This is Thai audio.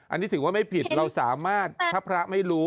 อันนี้ถือว่าไม่ผิดเราสามารถถ้าพระไม่รู้